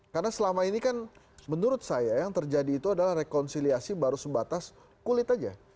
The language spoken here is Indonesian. karena selama ini kan menurut saya yang terjadi itu adalah rekonsiliasi baru sebatas kulit aja